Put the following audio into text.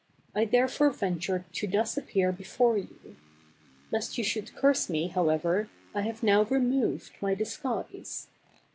I therefore ventured to thus appear before you. Lest you should curse me, however, I have now removed my disguise.